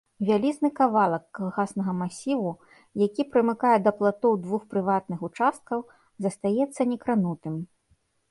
Вялізны кавалак калгаснага масіву, які прымыкае да платоў двух прыватных участкаў, застаецца некранутым.